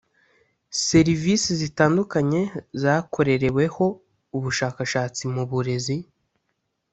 Serivisi zitandukanye zakorereweho ubushakashatsi mu burezi